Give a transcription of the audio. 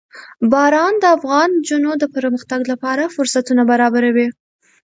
باران د افغان نجونو د پرمختګ لپاره فرصتونه برابروي.